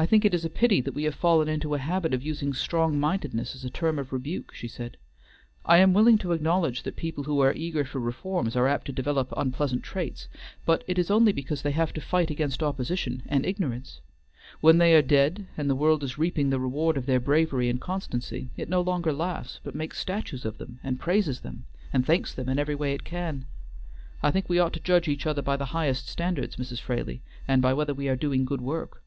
"I think it is a pity that we have fallen into a habit of using strong mindedness as a term of rebuke," she said. "I am willing to acknowledge that people who are eager for reforms are apt to develop unpleasant traits, but it is only because they have to fight against opposition and ignorance. When they are dead and the world is reaping the reward of their bravery and constancy, it no longer laughs, but makes statues of them, and praises diem, and thanks them in every way it can. I think we ought to judge each other by the highest standards, Mrs. Fraley, and by whether we are doing good work."